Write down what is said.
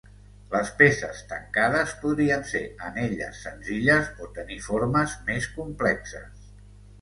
Les peces tancades podrien ser anelles senzilles o tenir formes més complexes.